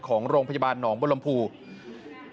ของโรงพยาบาลหนองบรมภู